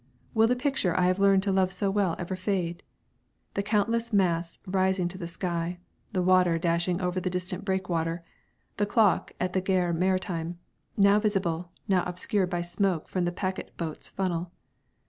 Will the picture I have learned to love so well ever fade? The countless masts rising to the sky, the water dashing over the distant breakwater, the clock at the Gare Maritime, now visible, now obscured by smoke from the packet boat's funnel.